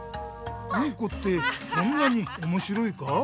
ウンコってそんなにおもしろいか？